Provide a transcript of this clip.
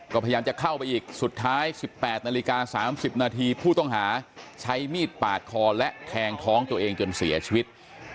ก็พยายามจะเข้าไปอีกสุดท้าย๑๘นาฬิกา๓๐นาทีผู้ต้องหาใช้มีดปาดคอและแทงท้องตัวเองจนเสียชีวิต